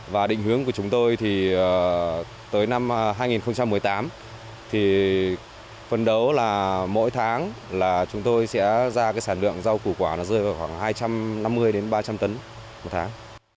và định hướng của chúng tôi thì tới năm hai nghìn một mươi tám thì phân đấu là mỗi tháng là chúng tôi sẽ ra cái sản lượng rau củ quả nó rơi vào khoảng hai trăm năm mươi đến ba trăm linh tấn một tháng